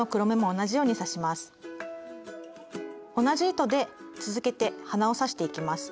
同じ糸で続けて鼻を刺していきます。